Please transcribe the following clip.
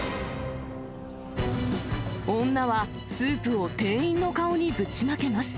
女はスープを店員の顔にぶちまけます。